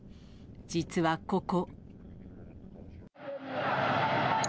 実はここ。